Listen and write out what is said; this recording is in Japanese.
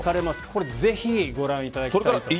これぜひご覧いただきたいと。